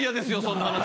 そんな話。